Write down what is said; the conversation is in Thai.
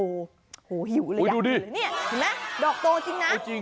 โอ้โหหิวเลยดอกโตจริงนะ